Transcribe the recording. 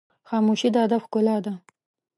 خاموشي، د ادب ښکلا ده.